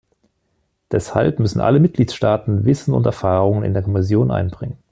Deshalb müssen alle Mitgliedsstaaten Wissen und Erfahrungen in der Kommission einbringen.